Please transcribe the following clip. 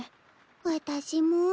私も。